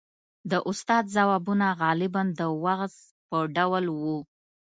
• د استاد ځوابونه غالباً د وعظ په ډول وو.